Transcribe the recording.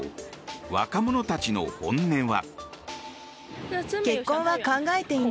若者たちの本音は。